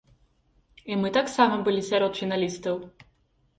І мы таксама былі сярод фіналістаў.